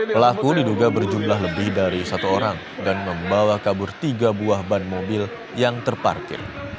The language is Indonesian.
pelaku diduga berjumlah lebih dari satu orang dan membawa kabur tiga buah ban mobil yang terparkir